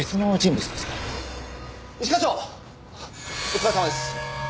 お疲れさまです。